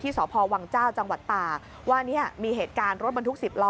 สพวังเจ้าจังหวัดตากว่าเนี่ยมีเหตุการณ์รถบรรทุก๑๐ล้อ